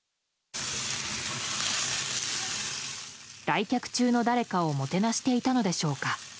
来客中の誰かをもてなしていたのでしょうか。